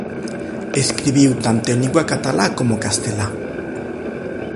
Escribiu tanto en lingua catalá como castelá.